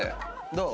どう？